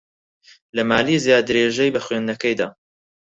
لە مالیزیا درێژەی بە خوێندنەکەی دا.